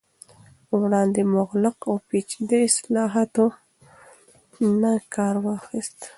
وړاندې مغلق او پیچیده اصطلاحاتو نه کار واخست